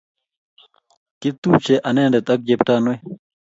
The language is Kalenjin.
Kiptupche anendet ak Jeptanui